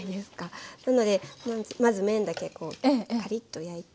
なのでまず麺だけこうカリッと焼いて。